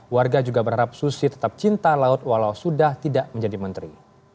warga juga berharap susi tetap cinta laut walau sudah tidak menjadi menteri